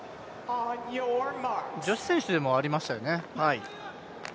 女子選手でもありましたよね。